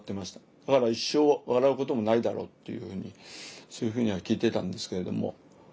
だから一生笑うこともないだろうっていうふうにそういうふうには聞いてたんですけれども。